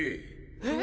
えっ？